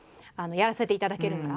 やらせていただけるなら。